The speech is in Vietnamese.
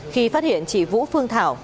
khi phát hiện chị vũ phương thảo